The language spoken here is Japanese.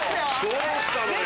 どうしたのよ？